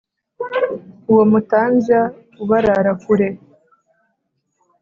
uwo mutambya ubarara kure.